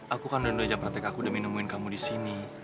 aku kan udah dua jam praktek aku udah menemuin kamu di sini